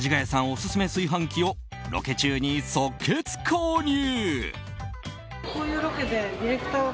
オススメ炊飯器をロケ中に即決購入。